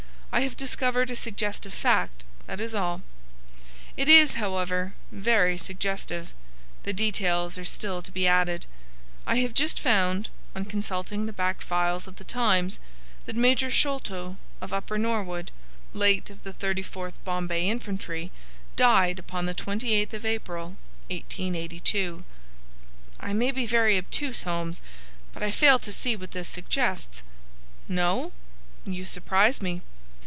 I have discovered a suggestive fact, that is all. It is, however, very suggestive. The details are still to be added. I have just found, on consulting the back files of the Times, that Major Sholto, of Upper Norword, late of the 34th Bombay Infantry, died upon the 28th of April, 1882." "I may be very obtuse, Holmes, but I fail to see what this suggests." "No? You surprise me.